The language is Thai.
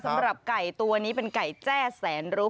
สำหรับไก่ตัวนี้เป็นไก่แจ้แสนรู้